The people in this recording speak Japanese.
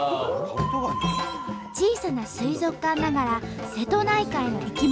小さな水族館ながら瀬戸内海の生き物